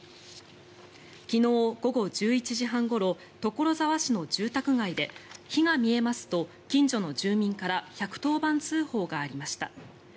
昨日午後１１時半ごろ所沢市の住宅街で火が見えますと、近所の住民から１１０番通報がありました。